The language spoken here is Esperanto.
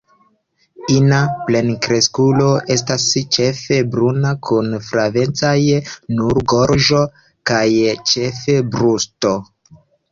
Ina plenkreskulo estas ĉefe bruna kun flavecaj nur gorĝo kaj ĉefe brusto.